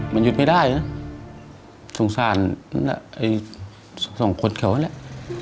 มันหยุดไม่ได้นะสงสาร๒คนเขานั่นละ